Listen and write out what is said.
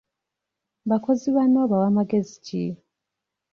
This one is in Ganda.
Bakozi banno obawa magezi ki?